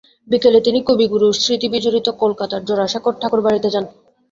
বিকেলে তিনি কবিগুরুর স্মৃতিবিজড়িত কলকাতার জোড়াসাঁকোর ঠাকুরবাড়িতে যান।